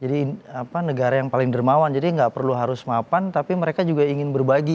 jadi apa negara yang paling dermawan jadi gak perlu harus mapan tapi mereka juga ingin berbagi